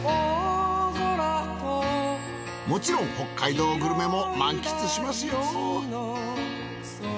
もちろん北海道グルメも満喫しますよ！